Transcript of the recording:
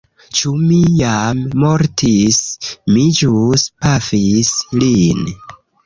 Ĉu mi jam mortis? Mi ĵus pafis lin.